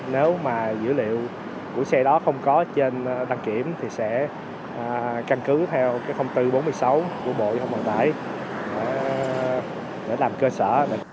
nếu mà dữ liệu của xe đó không có trên đăng kiểm thì sẽ căn cứ theo cái bốn trăm bốn mươi sáu của bộ hệ thống cân tải để làm cơ sở